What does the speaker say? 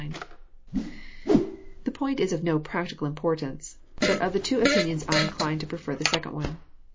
^^^^' The point is of no practical importance ; but of the two opin ions I incline to prefer the second one.